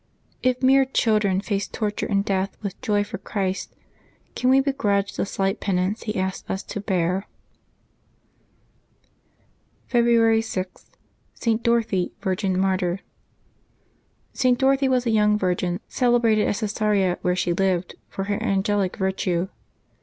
— If mere children face torture and death with joy for Christ, can we begrudge the slight penance He asks us to bear ? February 6.— ST. EMDROTHY, Virgin, Martyr. [t. Dorothy was a young virgin, celebrated at Caesarea, where she lived, for her angelic virtue.